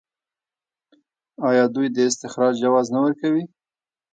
آیا دوی د استخراج جواز نه ورکوي؟